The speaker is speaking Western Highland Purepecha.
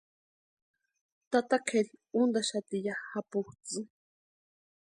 Tata kʼeri úntaxati ya japutsʼïni.